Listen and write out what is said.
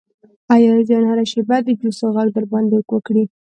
ایاز جان هره شیبه د جوسو غږ در باندې وکړي.